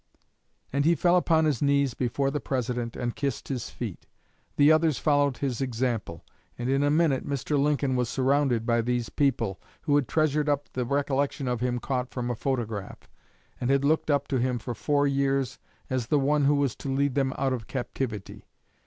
And he fell upon his knees before the President and kissed his feet. The others followed his example, and in a minute Mr. Lincoln was surrounded by these people, who had treasured up the recollection of him caught from a photograph, and had looked up to him for four years as the one who was to lead them out of captivity.